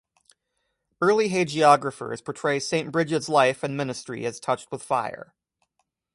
Early hagiographers portray Saint Brigid's life and ministry as touched with fire.